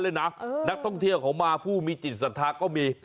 แขนหน้าขึ้นไปมีเมื่อยครอบบ้าง